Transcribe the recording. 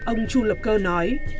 ông chu lập cơ nói